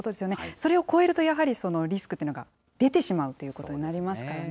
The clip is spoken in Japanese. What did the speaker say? それを超えると、やはりリスクというのが出てしまうということになりますからね。